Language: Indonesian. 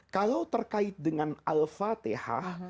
kalau terkait dengan al fatihah